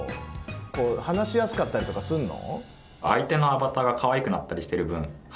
こう話しやすかったりとかすんの？